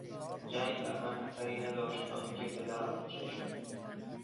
جنگ بر من اثری نداشت تا اینکه پدرم کشته شد.